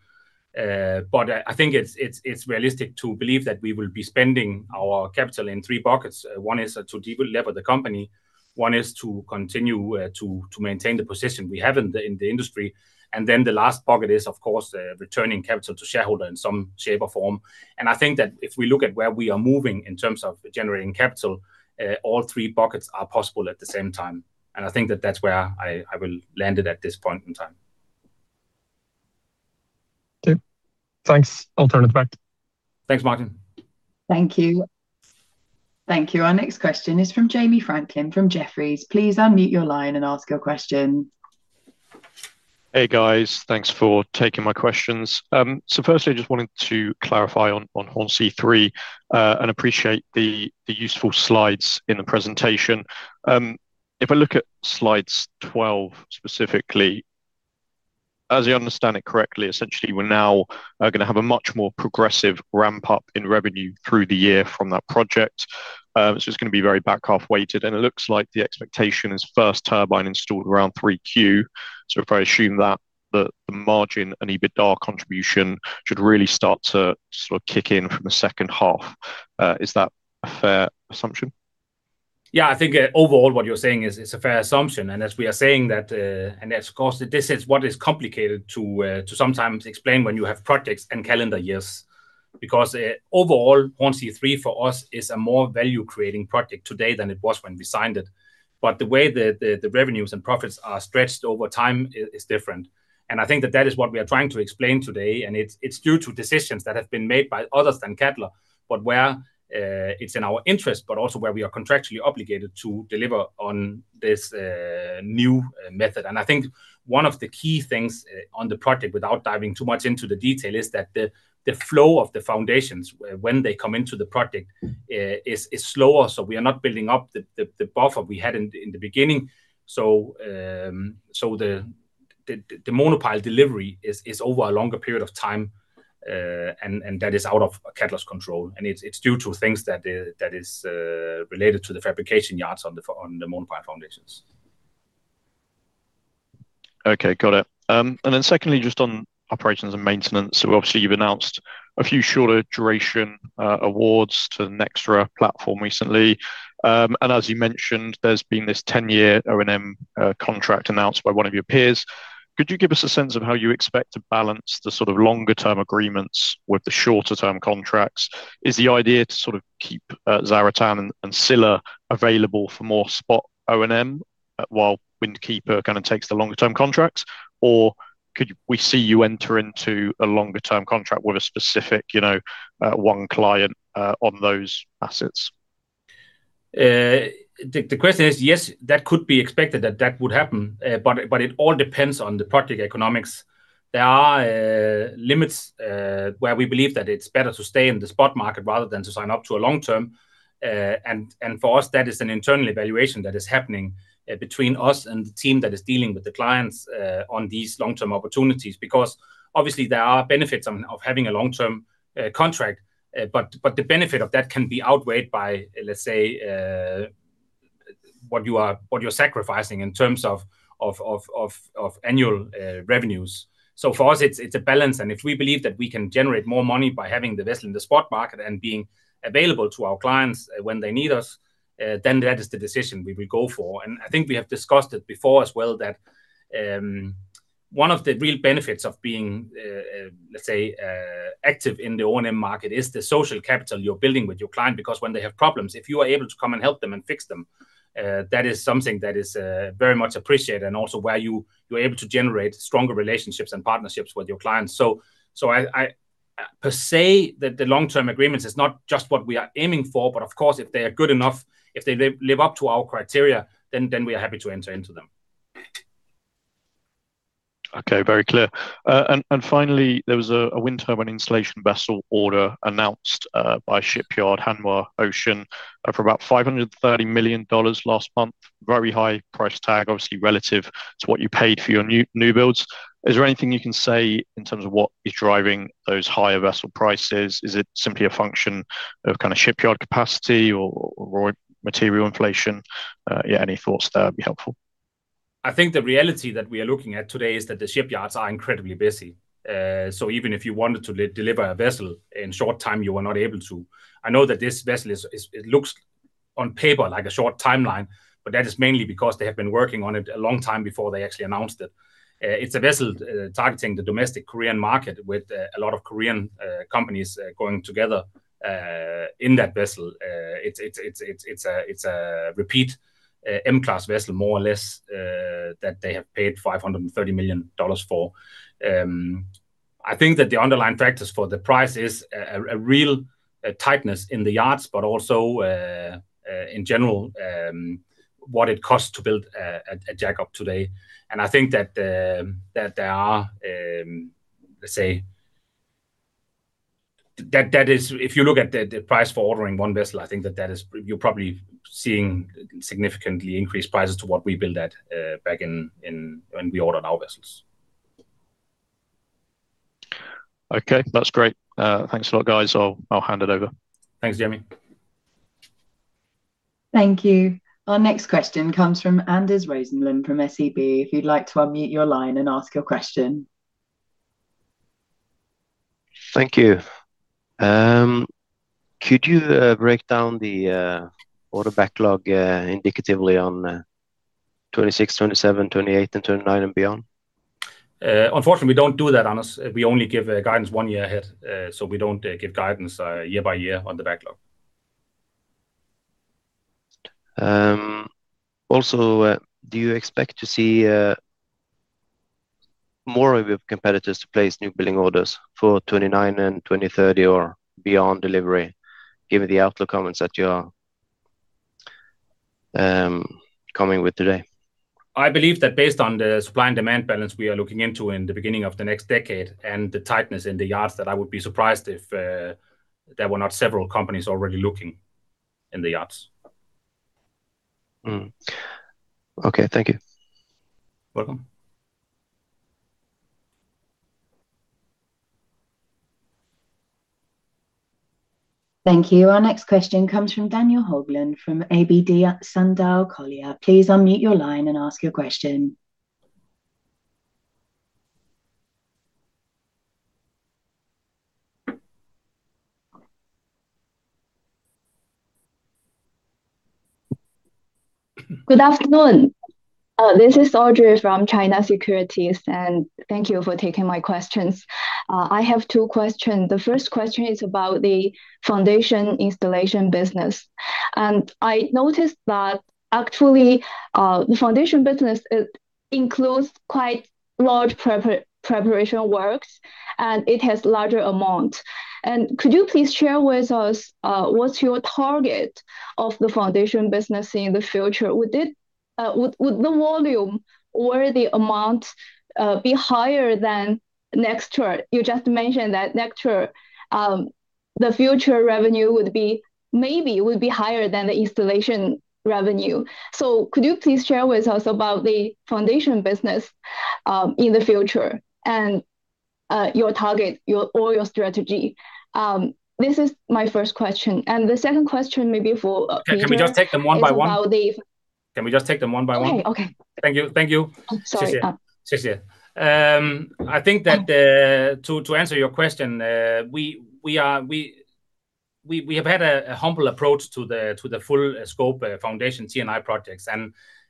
But I think it's realistic to believe that we will be spending our capital in three buckets. One is to delever the company, one is to continue to maintain the position we have in the industry, and then the last bucket is of course returning capital to shareholder in some shape or form. I think that if we look at where we are moving in terms of generating capital, all three buckets are possible at the same time. I think that that's where I will land it at this point in time. Okay. Thanks. I'll turn it back. Thanks, Martin. Thank you. Thank you. Our next question is from Jamie Franklin from Jefferies. Please unmute your line and ask your question. Hey, guys. Thanks for taking my questions. So firstly, just wanted to clarify on Hornsea 3, and appreciate the useful slides in the presentation. If I look at slide 12 specifically, as I understand it correctly, essentially we're now gonna have a much more progressive ramp up in revenue through the year from that project. It's just gonna be very back half weighted, and it looks like the expectation is first turbine installed around Q3. If I assume that the margin and EBITDA contribution should really start to sort of kick in from the second half. Is that a fair assumption? Yeah, I think overall what you're saying is a fair assumption. As we are saying that, and of course this is what is complicated to sometimes explain when you have projects and calendar years. Overall Hornsea 3 for us is a more value creating project today than it was when we signed it. The way the revenues and profits are stretched over time is different. I think that is what we are trying to explain today, and it's due to decisions that have been made by others than Cadeler, but where it's in our interest, but also where we are contractually obligated to deliver on this new method. I think one of the key things on the project, without diving too much into the detail, is that the flow of the foundations when they come into the project is slower. We are not building up the buffer we had in the beginning. The monopile delivery is over a longer period of time, and that is out of Cadeler's control, and it's due to things that is related to the fabrication yards on the monopile foundations. Okay. Got it. Secondly, just on operations and maintenance. Obviously you've announced a few shorter duration awards to the Nexra platform recently. As you mentioned, there's been this ten-year O&M contract announced by one of your peers. Could you give us a sense of how you expect to balance the sort of longer term agreements with the shorter term contracts? Is the idea to sort of keep Zaratan and Scylla available for more spot O&M while Wind Keeper kind of takes the longer term contracts? Or could we see you enter into a longer term contract with a specific, you know, one client on those assets? The question is, yes, that could be expected that would happen. It all depends on the project economics. There are limits where we believe that it's better to stay in the spot market rather than to sign up to a long-term. For us, that is an internal evaluation that is happening between us and the team that is dealing with the clients on these long-term opportunities, because obviously there are benefits of having a long-term contract. The benefit of that can be outweighed by, let's say, what you are sacrificing in terms of annual revenues. For us, it's a balance, and if we believe that we can generate more money by having the vessel in the spot market and being available to our clients when they need us, then that is the decision we will go for. I think we have discussed it before as well, that one of the real benefits of being, let's say, active in the O&M market is the social capital you're building with your client. Because when they have problems, if you are able to come and help them and fix them, that is something that is very much appreciated, and also where you are able to generate stronger relationships and partnerships with your clients. I per se that the long-term agreements is not just what we are aiming for, but of course, if they are good enough, if they live up to our criteria, then we are happy to enter into them. Okay. Very clear. Finally, there was a wind turbine installation vessel order announced by shipyard Hanwha Ocean for about $530 million last month. Very high price tag, obviously, relative to what you paid for your new builds. Is there anything you can say in terms of what is driving those higher vessel prices? Is it simply a function of kind of shipyard capacity or material inflation? Yeah, any thoughts there would be helpful. I think the reality that we are looking at today is that the shipyards are incredibly busy. Even if you wanted to deliver a vessel in a short time, you are not able to. I know that this vessel looks on paper like a short timeline, but that is mainly because they have been working on it a long time before they actually announced it. It's a vessel targeting the domestic Korean market with a lot of Korean companies going together in that vessel. It's a repeat M-class vessel more or less that they have paid $530 million for. I think that the underlying factors for the price is a real tightness in the yards, but also in general what it costs to build a jackup today. I think that there are, let's say that is. If you look at the price for ordering one vessel, I think that is you're probably seeing significantly increased prices to what we build at back in when we ordered our vessels. Okay. That's great. Thanks a lot, guys. I'll hand it over. Thanks, Jamie. Thank you. Our next question comes from Anders Rosenlund from SEB. If you'd like to unmute your line and ask your question. Thank you. Could you break down the order backlog indicatively on 2026, 2027, 2028, and 2029 and beyond? Unfortunately, we don't do that, Anders. We only give guidance one year ahead. We don't give guidance year by year on the backlog. Also, do you expect to see more of your competitors to place newbuild orders for 2029 and 2030 or beyond delivery, given the outlook comments that you are coming with today? I believe that based on the supply and demand balance we are looking into in the beginning of the next decade and the tightness in the yards, that I would be surprised if there were not several companies already looking in the yards. Okay. Thank you. Welcome. Thank you. Our next question comes from Daniel Haugland from ABG Sundal Collier. Please unmute your line and ask your question. Good afternoon. This is Audrey from China Securities, and thank you for taking my questions. I have two questions. The first question is about the foundation installation business. I noticed that actually, the foundation business, it includes quite large preparation works, and it has larger amount. Could you please share with us, what's your target of the foundation business in the future? Would the volume or the amount be higher than next year? You just mentioned that next year, the future revenue would be, maybe will be higher than the installation revenue. Could you please share with us about the foundation business in the future and your target, your overall strategy? This is my first question. The second question may be for Peter- Can we just take them one by one? Is about the- Can we just take them one by one? Sure. Okay. Thank you. Thank you. Oh, sorry. [Xie xie]. [Xie xie]. I think that to answer your question, we have had a humble approach to the full scope foundation T&I projects.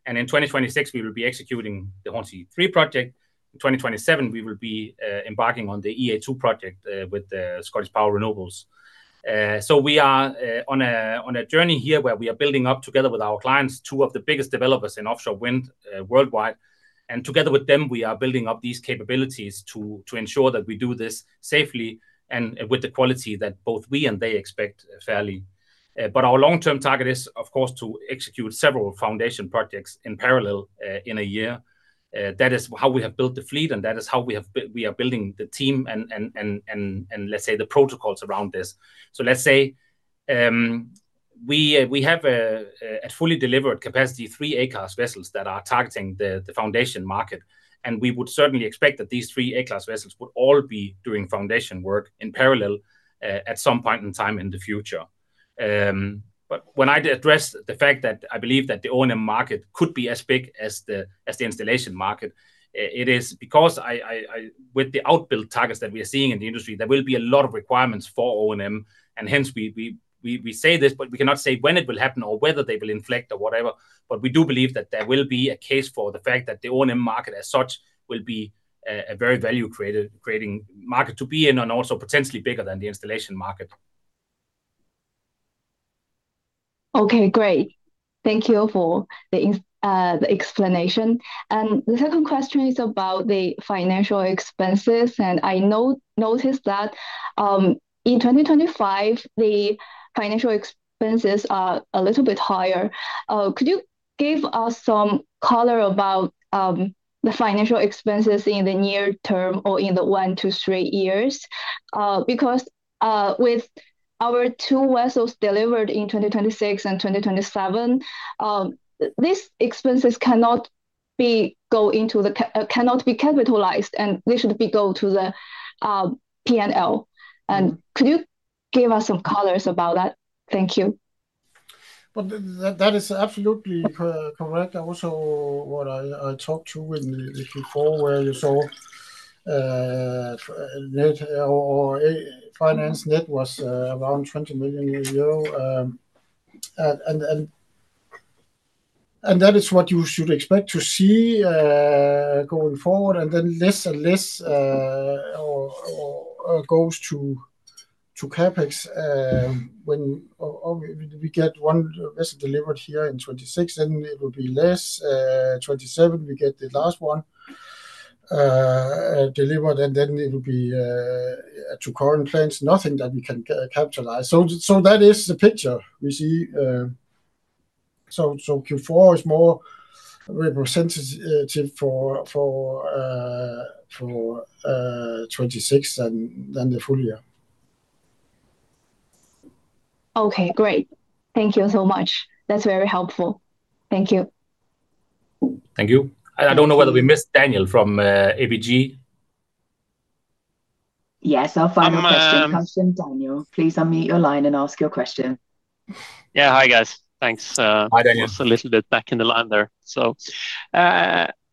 In 2026 we will be executing the Hornsea 3 project. In 2027 we will be embarking on the EA2 project with ScottishPower Renewables. We are on a journey here where we are building up together with our clients, two of the biggest developers in offshore wind worldwide. Together with them, we are building up these capabilities to ensure that we do this safely and with the quality that both we and they expect fairly. Our long-term target is, of course, to execute several foundation projects in parallel in a year. That is how we have built the fleet, and that is how we are building the team and let's say the protocols around this. Let's say, we have a fully delivered capacity, three A-class vessels that are targeting the foundation market. We would certainly expect that these three A-class vessels would all be doing foundation work in parallel at some point in time in the future. When I address the fact that I believe that the O&M market could be as big as the installation market, it is because I. With the build-out targets that we are seeing in the industry, there will be a lot of requirements for O&M, and hence we say this, but we cannot say when it will happen or whether they will inflect or whatever. We do believe that there will be a case for the fact that the O&M market as such will be a very value-creating market to be in and also potentially bigger than the installation market. Okay. Great. Thank you for the insights, the explanation. The second question is about the financial expenses. I noticed that, in 2025, the financial expenses are a little bit higher. Could you give us some color about the financial expenses in the near term or in the one to three years? Because, with our two vessels delivered in 2026 and 2027, these expenses cannot be capitalized, and they should go to the P&L. Could you give us some color about that? Thank you. Well, that is absolutely correct. Also, what I talked to in Q4, where you saw net or finance net was around 20 million euro, and that is what you should expect to see going forward. Then less and less goes to CapEx when we get one vessel delivered here in 2026, and it will be less 2027 we get the last one delivered. Then it'll be, to current plans, nothing that we can capitalize. That is the picture we see. Q4 is more representative for 2026 than the full year. Okay, great. Thank you so much. That's very helpful. Thank you. Thank you. I don't know whether we missed Daniel Haugland from ABG. Yes. I'm, uh- Next question, Daniel Haugland, please unmute your line and ask your question. Yeah. Hi, guys. Thanks. Hi, Daniel I was a little bit back in the line there.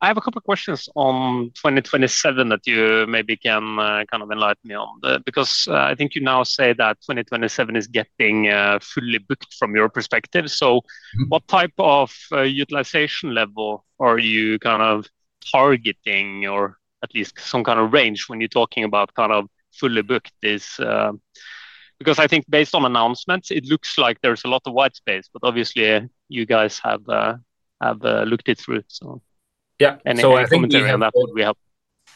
I have a couple questions on 2027 that you maybe can kind of enlighten me on. Because I think you now say that 2027 is getting fully booked from your perspective. Mm-hmm What type of utilization level are you kind of targeting, or at least some kind of range, when you're talking about kind of fully booked? Because I think based on announcements, it looks like there's a lot of white space, but obviously you guys have looked it through, so. Yeah. I think we have. Any commentary on that would be helpful.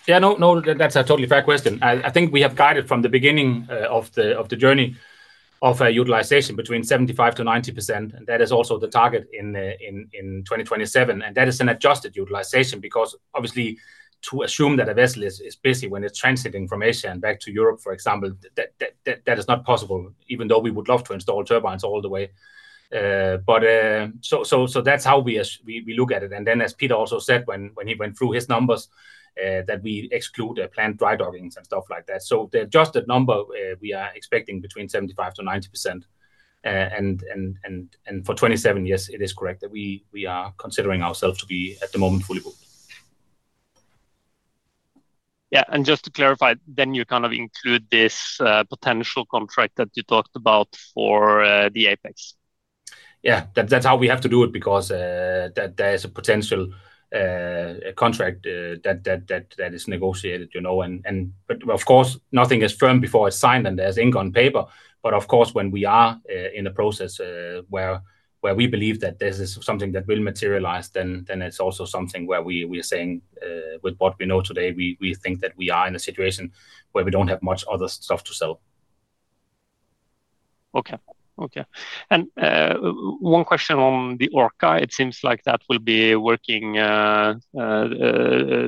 Yeah. No, that's a totally fair question. I think we have guided from the beginning of the journey of a utilization between 75%-90%, and that is also the target in 2027. That is an adjusted utilization because obviously to assume that a vessel is busy when it's transiting from Asia and back to Europe, for example, that is not possible even though we would love to install turbines all the way. But that's how we look at it. Then as Peter also said when he went through his numbers, that we exclude planned dry dockings and stuff like that. The adjusted number we are expecting between 75%-90%. For 2027, yes, it is correct that we are considering ourselves to be, at the moment, fully booked. Yeah, just to clarify, you kind of include this potential contract that you talked about for the Apex? Yeah. That's how we have to do it because there is a potential contract that is negotiated, you know. Of course, nothing is firm before it's signed, and there's ink on paper. Of course, when we are in the process where we believe that this is something that will materialize, then it's also something where we are saying, with what we know today, we think that we are in a situation where we don't have much other stuff to sell. One question on the Wind Orca. It seems like that will be working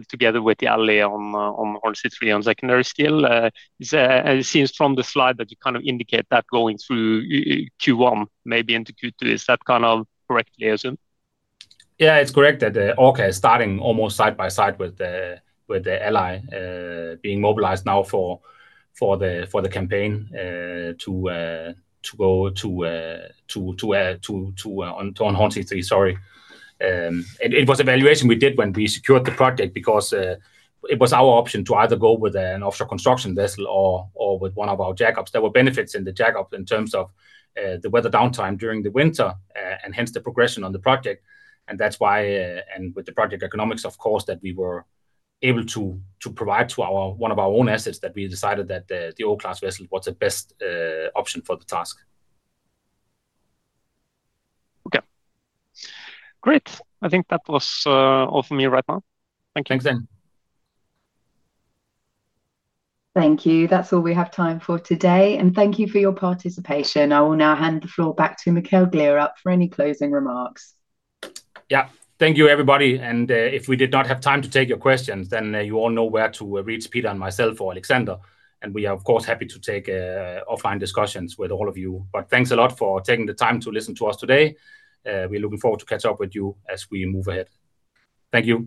together with the Wind Ally on Hornsea 3 on secondary steel. Is that. It seems from the slide that you kind of indicate that going through Q1, maybe into Q2. Is that kind of correctly assumed? Yeah. It's correct that the Orca is starting almost side by side with the Ally being mobilized now for the campaign to go to Hornsea 3, sorry. It was the evaluation we did when we secured the project because it was our option to either go with an offshore construction vessel or with one of our jackups. There were benefits in the jackup in terms of the weather downtime during the winter and hence the progression on the project. That's why, with the project economics, of course, that we were able to provide to our one of our own assets that we decided that the O-class vessel was the best option for the task. Okay. Great. I think that was all from me right now. Thank you. Thanks, then. Thank you. That's all we have time for today, and thank you for your participation. I will now hand the floor back to Mikkel Gleerup for any closing remarks. Yeah. Thank you, everybody. If we did not have time to take your questions, then you all know where to reach Peter and myself or Alexander, and we are of course happy to take offline discussions with all of you. But thanks a lot for taking the time to listen to us today. We're looking forward to catch up with you as we move ahead. Thank you.